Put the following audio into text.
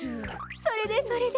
それでそれで？